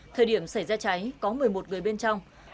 thời điểm xảy ra cháy có một mươi một người bên trong